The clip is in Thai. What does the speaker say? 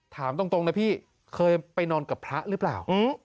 ถามตรงนะพี่เคยไปนอนกับพระหรือเปล่า